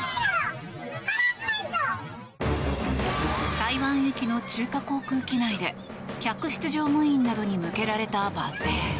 台湾行きの中華航空機内で客室乗務員などに向けられた罵声。